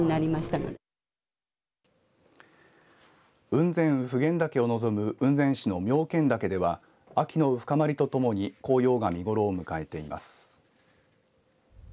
雲仙・普賢岳を望む雲仙市の妙見岳では秋の深まりとともに紅葉が見頃を迎えています。